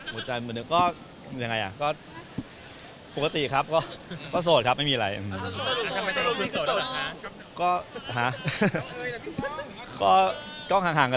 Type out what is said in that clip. พี่ฟ้องงานดีขนาดนี้หัวใจดีเหมือนเดิมไหมคะ